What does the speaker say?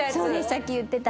さっき言ってた